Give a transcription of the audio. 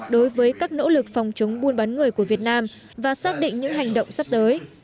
đối với các nỗ lực phòng chống buôn bán người của việt nam và xác định những hành động sắp tới